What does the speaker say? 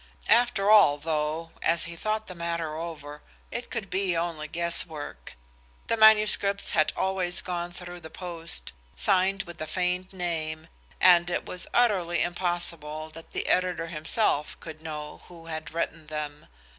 After all, though, as he thought the matter over, it could be only guess work. The manuscripts had always gone through the post, signed with a feigned name, and it was utterly impossible that the editor himself could know who had written them.